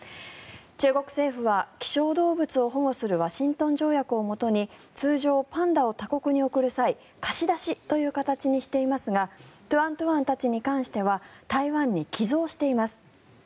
中国政府は希少動物を保護するワシントン条約をもとに通常、パンダを他国に贈る際貸し出しという形にしていますがトゥアン・トゥアンたちに関してはが台湾に寄贈しています。